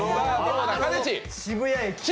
渋谷駅。